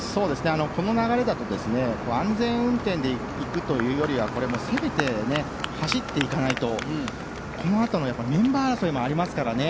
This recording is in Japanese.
この流れだと安全運転で行くというよりはこれ、攻めて走っていかないとこのあとのメンバー争いもありますからね。